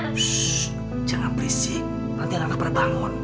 shhh jangan berisik nanti anak lo perbangun